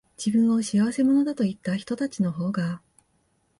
自分を仕合せ者だと言ったひとたちのほうが、